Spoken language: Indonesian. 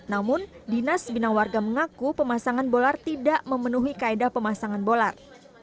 namun dinas bina warga mengaku pemasangan bolar tidak memenuhi kaedah pemasangan bolart